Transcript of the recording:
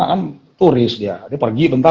kan turis dia dia pergi bentar